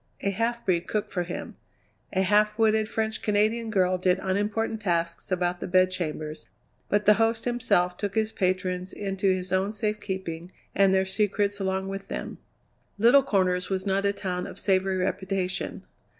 A half breed cooked for him; a half witted French Canadian girl did unimportant tasks about the bedchambers, but the host himself took his patrons into his own safekeeping and their secrets along with them. Little Corners was not a town of savoury reputation.